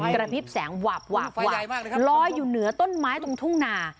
กระพริบแสงหวาบหวาบลอยอยู่เหนือต้นไม้ตรงทุ่งนา